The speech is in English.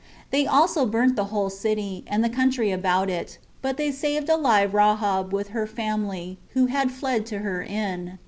They also burnt the whole city, and the country about it; but they saved alive Rahab, with her family, who had fled to her inn.